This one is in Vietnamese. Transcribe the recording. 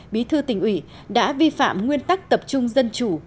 bí thư tỉnh ủy đã vi phạm nguyên tắc tập trung dân chủ